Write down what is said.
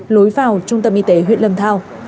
lối vào trung tâm y tế huyện lâm thao